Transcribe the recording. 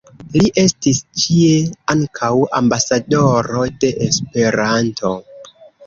Li estis ĉie ankaŭ "ambasadoro de Esperanto.